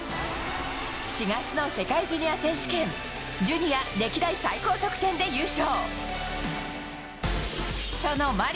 ４月の世界ジュニア選手権、ジュニア歴代最高得点で優勝。